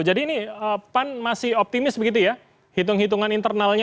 jadi ini pan masih optimis begitu ya hitung hitungan internalnya